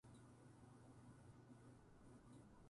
ぜいたくで華やかで、きらびやかで美しいさま。